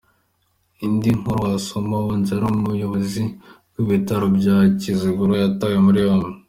Indi nkuru wasoma: Uwahoze ari Umuyobozi w’ibitaro bya Kiziguro yatawe muri yombi.